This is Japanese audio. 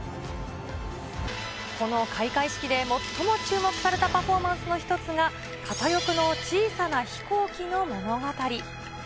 この開会式で最も注目されたパフォーマンスの一つが、片翼の小さな飛行機の物語。